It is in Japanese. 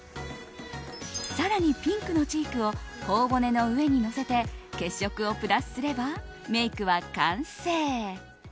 更にピンクのチークを頬骨の上にのせて血色をプラスすればメイクは完成。